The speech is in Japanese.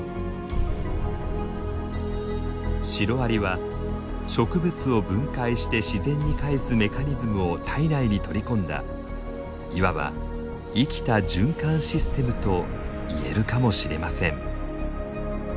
シロアリは植物を分解して自然に返すメカニズムを体内に取り込んだいわば「生きた循環システム」と言えるかもしれません。